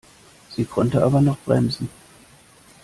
Sie konnte aber noch bremsen.